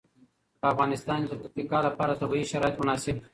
په افغانستان کې د پکتیکا لپاره طبیعي شرایط مناسب دي.